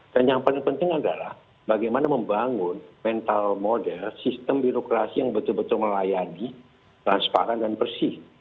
dan yang paling penting adalah bagaimana membangun mental model sistem birokrasi yang betul betul melayani transparan dan bersih